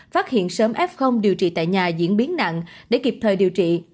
phát hiện sớm f điều trị tại nhà diễn biến nặng để kịp thời điều trị